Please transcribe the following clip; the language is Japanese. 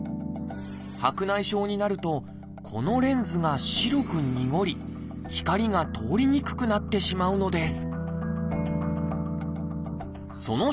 白内障になるとこのレンズが白くにごり光が通りにくくなってしまうのです。